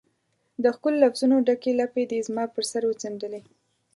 د ښکلو لفظونو ډکي لپې دي زما پر سر وڅنډلي